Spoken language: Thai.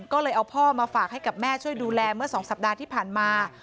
ก็เลยเอาพ่อมาฝากให้กับแม่ช่วยดูแลเมื่อ๒สัปดาห์ที่ผ่านมา